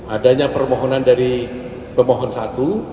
adanya permohonan dari pemohon satu